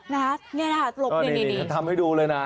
นี่นะคะหลบนี่ทำให้ดูเลยนะ